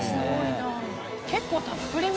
結構たっぷりめ。